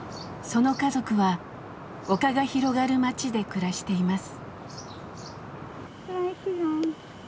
その家族は丘が広がる町で暮らしています。